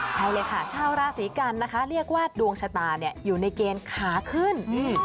ใช่เลยค่ะชาวราศีกันนะคะเรียกว่าดวงชะตาอยู่ในเกณฑ์ขาขึ้น